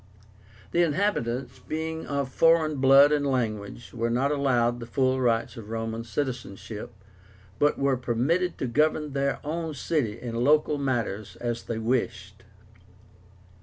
The inhabitants, being of foreign blood and language, were not allowed the full rights of Roman citizenship, but were permitted to govern their own city in local matters as they wished.